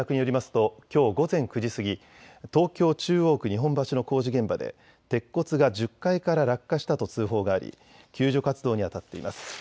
ときょう午前９時過ぎ東京中央区日本橋の工事現場で鉄骨が１０階から落下したと通報があり救助活動にあたっています。